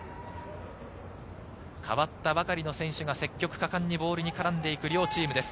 代わったばかりの選手が積極果敢にボールに絡んでいく両チームです。